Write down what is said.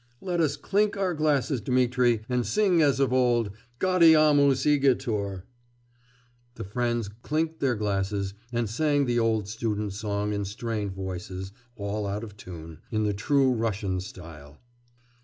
Let us clink glasses, Dmitri, and sing as of old, Gaudeamus igitur!' The friends clinked their glasses, and sang the old student song in strained voices, all out of tune, in the true Russian style.